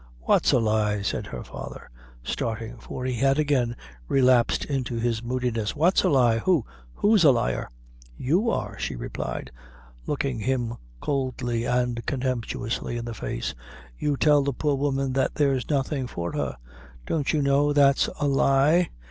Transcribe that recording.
"What's a lie?" said her father, starting, for he had again relapsed into his moodiness. "What's a lie? who who's a liar?" "You are!" she replied, looking him coolly and contemptuously in the face; "you tell the poor woman that there's nothing for her. Don't you know that's a lie?